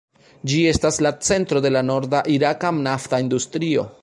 Ĝi estas la centro de la norda iraka nafta industrio.